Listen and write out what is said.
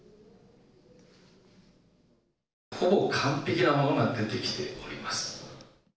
ほぼ完璧なものが出てきております。